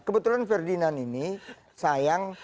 kebetulan ferdinand ini sayang